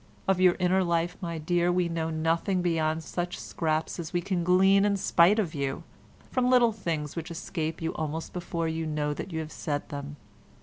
Of your inner life, my dear, we know nothing beyond such scraps as we can glean in spite of you, from little things which escape you almost before you know that you have said them."